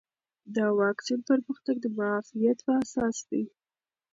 د واکسین پرمختګ د معافیت پر اساس دی.